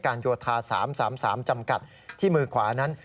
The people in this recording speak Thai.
โยธา๓๓จำกัดที่มือขวานั้น